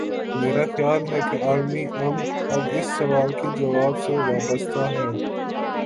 میرا خیال ہے کہ عالمی ا من اب اس سوال کے جواب سے وابستہ ہے۔